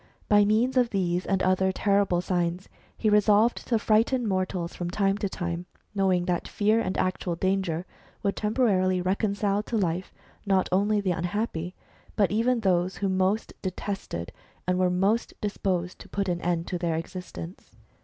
By means of these and other terrible signs, he resolved to fris^hten mortals from time to time, knowinfr that fear and actual danger would temporarily reconcile to life, not only the unhappy, but even those who most detested and were most disposed to put an end to their existence.